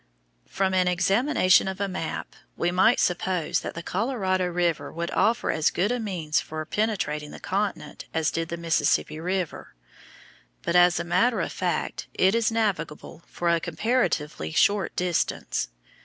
From an examination of a map we might suppose that the Colorado River would offer as good a means for penetrating the continent as did the Mississippi River, but as a matter of fact it is navigable for a comparatively short distance.